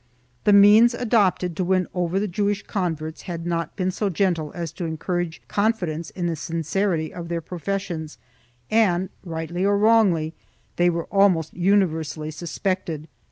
The means adopted to win over the Jewish converts had not been so gentle as to encour age confidence in the sincerity of their professions and, rightly or wrongly, they were almost universally suspected.